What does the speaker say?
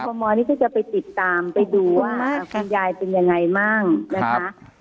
มนี่ก็จะไปติดตามไปดูว่าคุณยายเป็นยังไงมั่งนะคะ